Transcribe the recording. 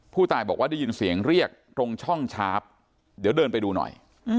ผู้ตายบอกว่าได้ยินเสียงเรียกตรงช่องชาร์ฟเดี๋ยวเดินไปดูหน่อย